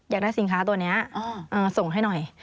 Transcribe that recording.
อยากได้สินค้าตัวนี้ส่งให้หน่อย